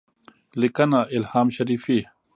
لیکنه : الهام شریفي